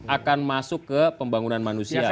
akan masuk ke pembangunan manusia